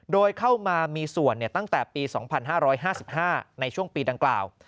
โดยเข้ามามีส่วนตั้งแต่ปี๒๕๕๕ในช่วงปีดังกล่าว